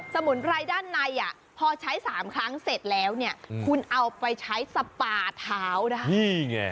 สมุนไลน์ด้านในพอใช้๓ครั้งเสร็จแล้วคุณเอาไปใช้สปาเท้าได้นี่ไง